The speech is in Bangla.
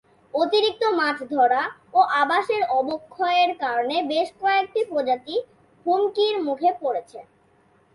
অতিরিক্ত মাছ ধরা ও আবাসের অবক্ষয়ের কারণে বেশ কয়েকটি প্রজাতি হুমকির মুখে পড়েছে।